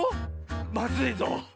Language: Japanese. まずいぞ。